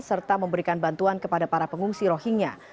serta memberikan bantuan kepada para pengungsi rohingya